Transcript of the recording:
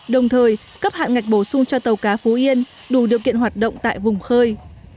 đồng thời cấp hạn ngạch bổ sung cho tàu cá phú yên đủ điều kiện hoạt động tại vùng khơi